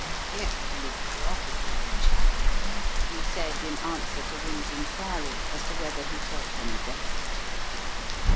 "Fearfully groggy, old chap," he said in answer to Wynne's inquiry as to whether he felt any better.